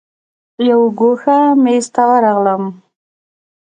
یو ګوښه میز ته ورغلم.